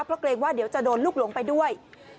เพราะเกรงว่าเดี๋ยวจะโดนลูกหลงไปด้วย